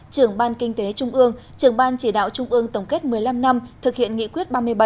trưởng ban kinh tế trung ương trưởng ban chỉ đạo trung ương tổng kết một mươi năm năm thực hiện nghị quyết ba mươi bảy